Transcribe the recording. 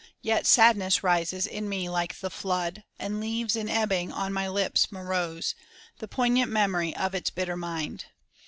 Yet sadness rises in me like the flood, And leaves in ebbing on my lips morose, The poignant memory of its bitter mind.